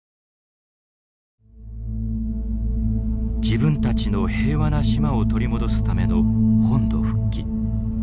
自分たちの平和な島を取り戻すための本土復帰。